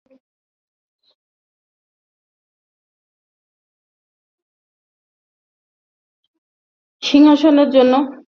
হাথুরুসিংহের জন্য তাই দু-একজন ওপেনারকে অন্য জায়গায় খেলানোর চিন্তা করাটাই স্বাভাবিক।